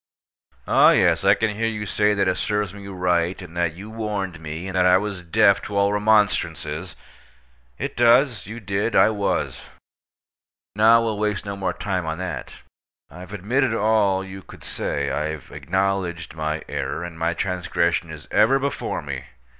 Oh, yes, I can hear you say that it serves me right, and that you warned me, and that I was deaf to all remonstrances. It does. You did. I was. Now, we'll waste no more time on that. I've admitted all you could say. I've acknowledged my error, and my transgression is ever before me.